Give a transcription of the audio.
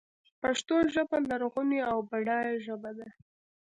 پښتو ژبه لرغونۍ او بډایه ژبه ده.